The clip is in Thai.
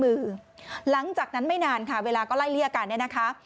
หลังจากนั้นไม่นานค่ะเวลาก็ไล่เลี่ยกันเนี่ยนะคะ